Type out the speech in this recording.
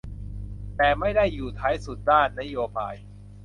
แต่ไม่ได้อยู่ท้ายสุดด้านนโยบาย